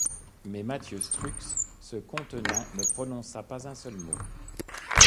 Mais Mathieu Strux, se contenant, ne prononça pas un seul mot.